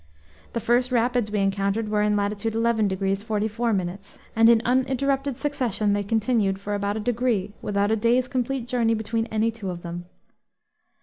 The first rapids we encountered were in latitude 11 degrees 44 minutes, and in uninterrupted succession they continued for about a degree, without a day's complete journey between any two of them.